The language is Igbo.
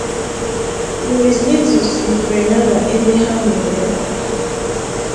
Louise Little sì Grenada ebe ha mụ̀rụ̀ ya.